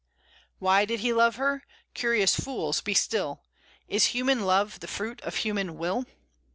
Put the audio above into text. "Why did he love her? Curious fools, be still! Is human love the fruit of human will?"